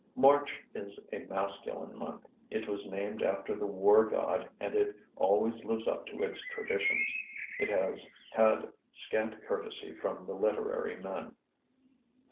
March is a masculine month. It was named after the war god and it always lives up to its traditions. It has had scant courtesy from the literary men.